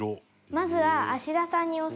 まずは。